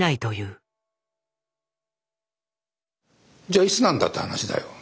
じゃあいつなんだって話だよ。